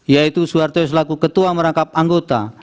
yaitu soeharto selaku ketua merangkap anggota